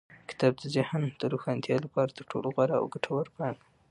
کتاب د ذهن د روښانتیا لپاره تر ټولو غوره او ګټوره پانګه ده.